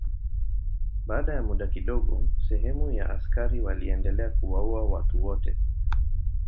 Baada ya muda kidogo sehemu ya askari waliendelea kuwaua watu wote.